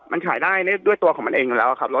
มันขายได้ด้วยตัวของมันเองอยู่แล้วครับ